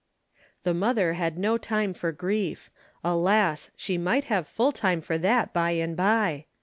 The mother had no time for grief. Alas! She might have full time for that by and by!